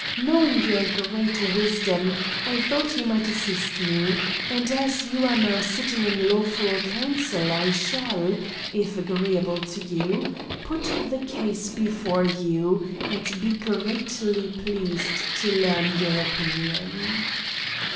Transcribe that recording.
Knowing your great wisdom, I thought you might assist me, and as you are now sitting in lawful council I shall, if agreeable to you, put the case before you and be greatly pleased to learn your opinion."